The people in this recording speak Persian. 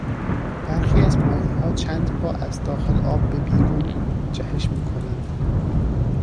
برخی از ماهیها چند پا از داخل آب به بیرون جهش میکنند.